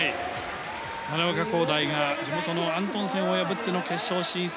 奈良岡功大が地元のアントンセンを破っての決勝進出。